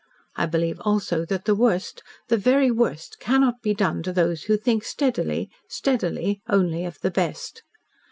I believe also that the worst the very worst CANNOT be done to those who think steadily steadily only of the best.